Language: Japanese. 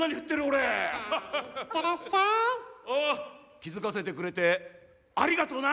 気付かせてくれてありがとうな。